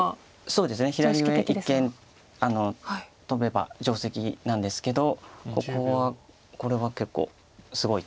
そうですね左上一間トベば定石なんですけどここはこれは結構すごい手です。